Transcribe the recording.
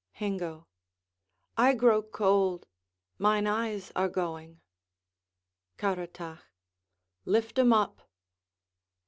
Hengo I grow cold; Mine eyes are going. Caratach Lift 'em up.